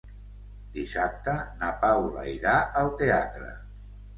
Dissabte na Paula irà al teatre.